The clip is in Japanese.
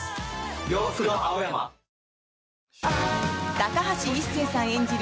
高橋一生さん演じる